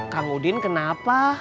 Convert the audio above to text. kang udin kenapa